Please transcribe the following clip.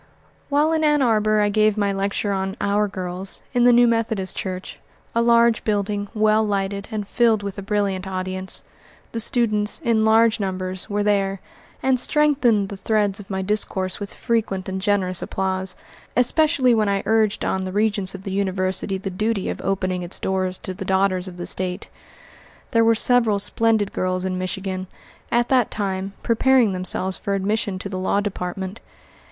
While in Ann Arbor I gave my lecture on "Our Girls" in the new Methodist church a large building, well lighted, and filled with a brilliant audience. The students, in large numbers, were there, and strengthened the threads of my discourse with frequent and generous applause; especially when I urged on the Regents of the University the duty of opening its doors to the daughters of the State. There were several splendid girls in Michigan, at that time, preparing themselves for admission to the law department.